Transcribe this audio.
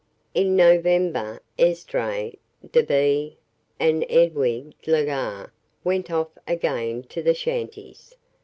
In November Esdras, Da'Be and Edwige Legare went off again to the shanties.